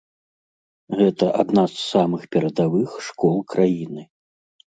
Гэта адна з самых перадавых школ краіны.